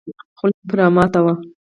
خوله پرې راماته وه.